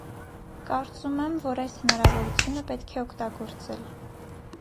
Կարծում եմ, որ այս հնարավորությունը պետք է օգտագործել։